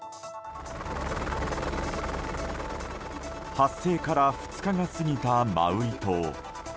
発生から２日が過ぎたマウイ島。